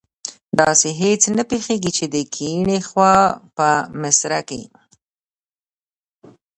داسې هېڅ نه پیښیږي چې د کیڼي خوا په مصره کې.